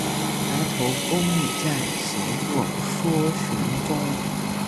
白头宫女在，闲坐说玄宗。